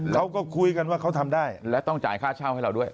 เขาก็คุยกันว่าเขาทำได้และต้องจ่ายค่าเช่าให้เราด้วย